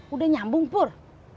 udah nyambung pur